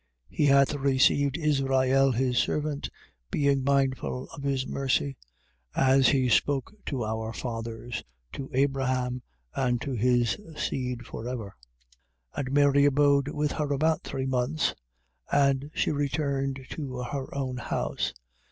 1:54. He hath received Israel his servant, being mindful of his mercy. 1:55. As he spoke to our fathers: to Abraham and to his seed for ever. 1:56. And Mary abode with her about three months. And she returned to her own house.